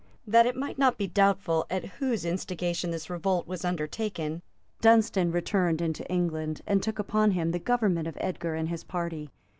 That it might not be doubtful at whose instigation this revolt was undertaken, Dunstan returned into England, and took upon him the government of Edgar and his party.